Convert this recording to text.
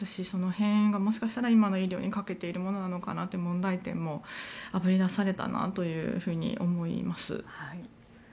その辺がもしかしたら今の医療に欠けているのかなという問題点もあぶり出されたなと思います。